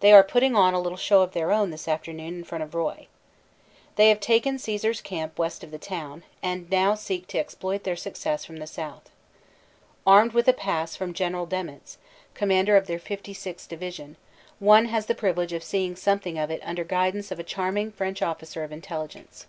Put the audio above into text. They are putting on a little show of their own this afternoon in front of Roye. They have taken Caesar s Camp west of the town, and now seek to exploit their success from the south. Armed with a pass from General Demetz, Commander of their 56th. Division, one has the privilege of seeing something of it under guidance of a charming French officer of Intelligence.